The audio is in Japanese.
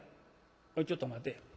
「おいちょっと待て。